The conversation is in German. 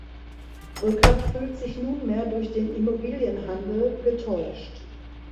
Rückert fühlt sich nunmehr durch den Immobilienhandel getäuscht.